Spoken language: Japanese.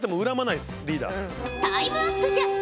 タイムアップじゃ。